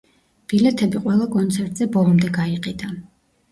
ბილეთები ყველა კონცერტზე ბოლომდე გაიყიდა.